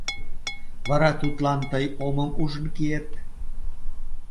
— Вара тудлан тый омым ужын киет?